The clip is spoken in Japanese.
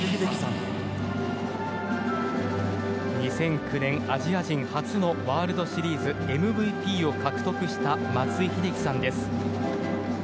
２００９年、アジア人初のワールドシリーズＭＶＰを獲得した松井秀喜さんです。